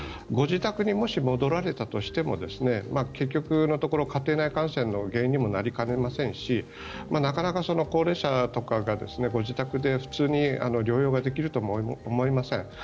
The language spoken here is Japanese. ご自宅にもし、戻られたとしても結局のところ家庭内感染の原因にもなりかねませんしなかなか高齢者とかが自宅で普通に療養ができるとも思いません。